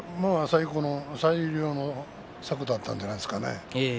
最良の策だったんじゃないですかね。